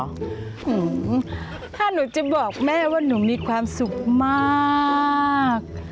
อืมถ้าหนูจะบอกแม่ว่าหนูมีความสุขมาก